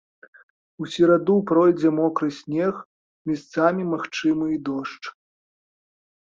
У сераду пройдзе мокры снег, месцамі магчымы і дождж.